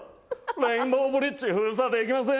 レインボーブリッジ封鎖できません！